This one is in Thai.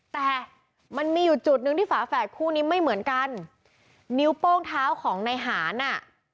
แต่มันมีอยู่จุดหนึ่งที่ฝาแฝดคู่นี้ไม่เหมือนกันนิ้วโป้งเท้าของในหารอ่ะ